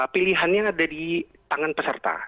pilihannya ada di tangan peserta